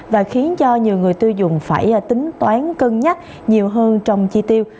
và khiến cho nhiều người tiêu dùng phải tính toán cân nhắc nhiều hơn trong chi tiêu